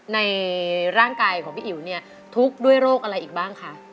ในร่างกายของพี่อิ๋วเนี่ยทุกข์ด้วยโรคอะไรอีกบ้างคะ